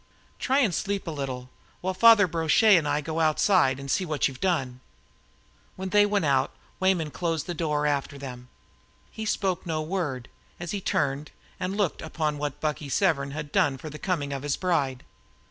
Try and sleep a little, while Father Brochet and I go outside and see what you've done." When they went out, Weyman closed the door after them. He spoke no word as he turned and looked upon what Bucky Severn had done for the coming of his bride.